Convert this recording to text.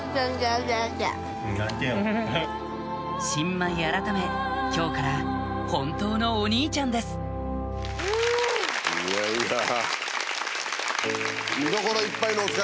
新米改め今日から本当のお兄ちゃんですいやいや。